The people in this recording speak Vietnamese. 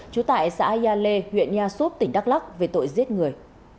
trú tại xã yale huyện nha súp tỉnh đắk lắc về tội giết người